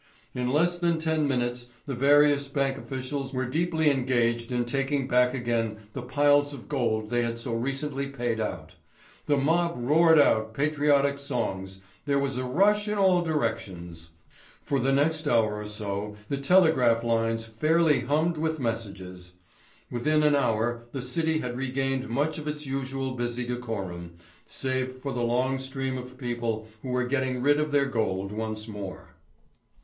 In less than ten minutes the various bank officials were deeply engaged in taking back again the piles of gold they had so recently paid out. The mob roared out patriotic songs, there was a rush in all directions. For the next hour or so the telegraph lines fairly hummed with messages. Within an hour the City had regained much of its usual busy decorum, save for the long stream of people who were getting rid of their gold once more.